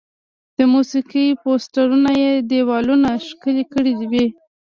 د موسیقي پوسټرونه یې دیوالونه ښکلي کړي وي.